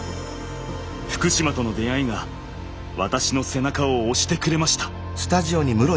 福島との出会いが私の背中を押してくれました。